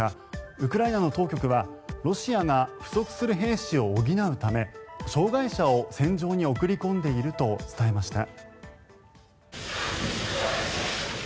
ウクライナの当局はロシアが不足する兵士を補うため障害者を戦場に送り込んでいると伝えました。